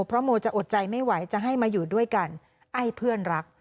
เพราะโมจะอดใจไม่ไหวจะให้มาอยู่ด้วยกันไอ้เพื่อนรัก